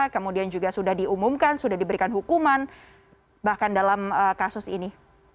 kemudian juga sudah diumumkan sudah diberikan hukuman bahkan dalam kasus ini